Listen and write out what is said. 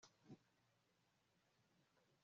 guhitamo no gufata ibyemezo